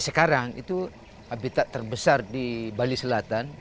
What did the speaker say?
sekarang itu habitat terbesar di bali selatan